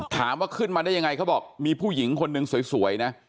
ถามว่าขึ้นมาได้ยังไงเขาบอกมีผู้หญิงคนนึงสวยนะ